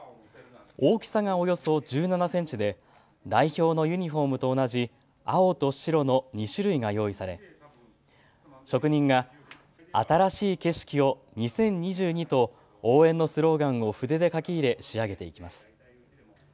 大きさがおよそ１７センチで代表のユニフォームと同じ青と白の２種類が用意され、職人が新しい景色を２０２２と応援のスローガンを筆で書き入れ仕上げていきます。